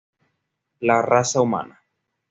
La raza humana".